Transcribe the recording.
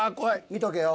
見とけよ。